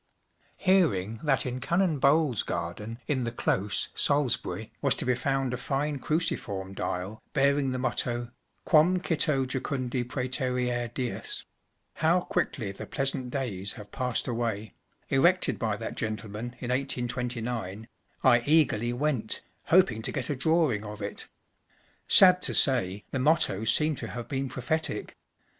Hearing that in Canon Bowles' garden in the Close, Salisbury, was to be found a fine cruciform dial, bearing the motto, “ Guam cito jucundi praeteriere dies" (How quickly the pleasant days have passed away), erected by that gentleman m 1820, I eagerly went, hoping to get a drawing of it. Sad to say, the motto seemed to have been prophetic.